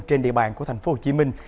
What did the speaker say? trên địa bàn của thành phố hồ chí minh